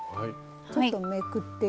ちょっとめくって頂いて。